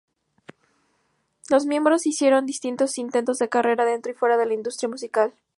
Los miembros hicieron distintos intentos de carrera dentro y fuera de la industria musical.